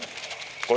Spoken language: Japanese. これ！